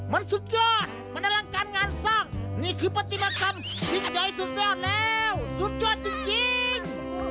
มันสุดยอดมันอลังการงานสร้างนี่คือปฏิมากรรมสิ้นใจสุดยอดแล้วสุดยอดจริง